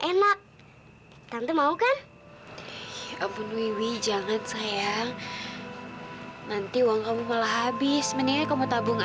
enak tante mau kan ya ampun wiwi jangan sayang nanti uang kamu malah habis menikah mau tabung